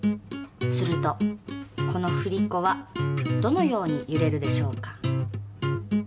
するとこの振り子はどのようにゆれるでしょうか？